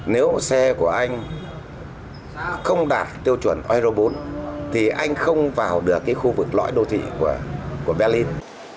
nếu xe của anh không đạt tiêu chuẩn euro bốn thì anh không vào được khu vực lõi đô thị của berlin